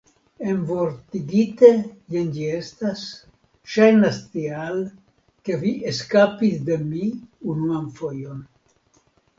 "Envortigite, jen ĝi estis: "Ŝajnas tial ke vi eskapis de mi unuan fojon."